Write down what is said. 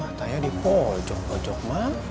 katanya di pojok pojok mah